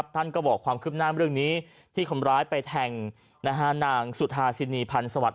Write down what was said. ท่านก็บอกความคืบหน้าเรื่องนี้ที่คนร้ายไปแทงนางสุธาสินีพันธ์สวัสด